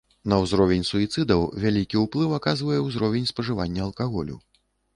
На ўзровень суіцыдаў вялікі ўплыў аказвае ўзровень спажывання алкаголю.